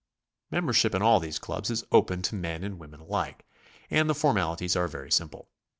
Membership in all these clubs is open to men and women alike, and the formali ties are very simple.